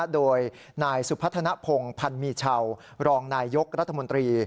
โดยนายสุพัฒนภงพันธ์มีชาวรองนายยกรัฐมนตรี